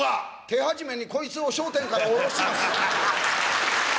手始めにこいつを「笑点」から降ろします。